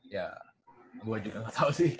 ya gua juga ga tau sih